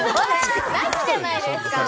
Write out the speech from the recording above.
「ナシ」じゃないですか。